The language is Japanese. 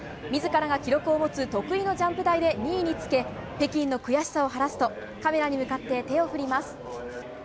自らが記録を持つ得意のジャンプ台で２位につけ北京の悔しさを晴らすとカメラに向かって手を振ります。